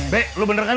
bek lu bener kan bek